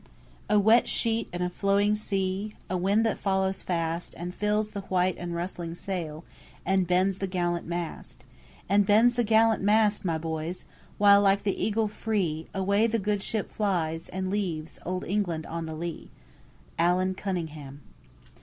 "A wet sheet and a flowing sea, A wind that follows fast And fills the white and rustling sail, And bends the gallant mast! And bends the gallant mast, my boys, While, like the eagle free, Away the good ship flies, and leaves Old England on the lee." ALLAN CUNNINGHAM.